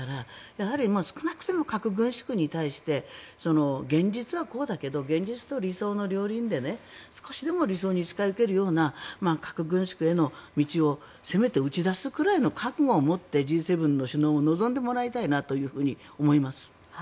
やはり少なくとも核軍縮に対して現実はこうだけど現実と理想の両輪で少しでも理想に近付けるような核軍縮への道をせめて打ち出すぐらいの覚悟を持ってＧ７の首脳も臨んでもらいたいなと思います。